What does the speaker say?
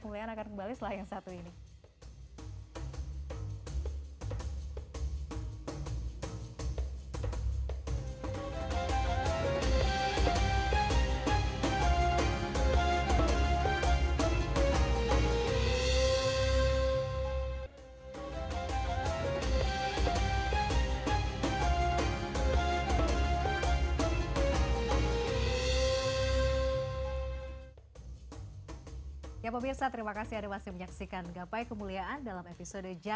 kalau misalnya seperti apa